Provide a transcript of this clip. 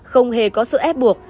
không hề có sự ép buộc